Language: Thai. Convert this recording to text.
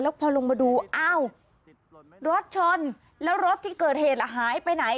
พอลงมาดูอ้าวรถชนแล้วรถที่เกิดเหตุหายไปไหน